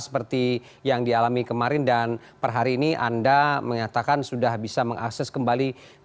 seperti yang dialami kemarin dan per hari ini anda mengatakan sudah bisa mengakses kembali